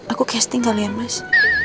aku casting kali ya mas